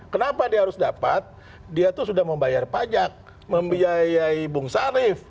kenapa dia harus dapat dia itu sudah membayar pajak membiayai bung sarif